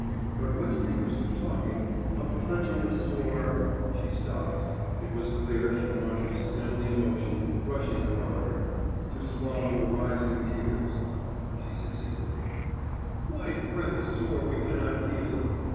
But what's the use of talking, of touching a sore' (she stopped; it was clear she wanted to stem the emotion rushing upon her, to swallow the rising tears; she succeeded) 'why fret a sore we cannot heal?